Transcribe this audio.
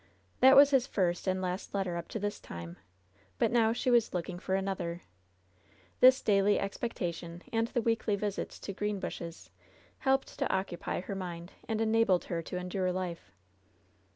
That was his first and last letter up to this time. But now she was looking for another. This daily expectation and the weekly visits to Green bushes helped to occupy her mind, and enalbed her to endure life.